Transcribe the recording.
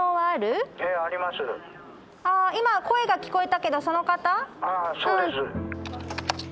あ今声が聞こえたけどその方？